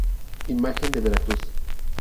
Imagen de Veracruz.